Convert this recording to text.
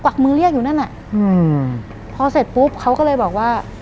วักมือเรียกอยู่นั่นอ่ะอืมพอเสร็จปุ๊บเขาก็เลยบอกว่า